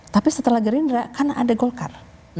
tapi setelah gerindra karena ada golkar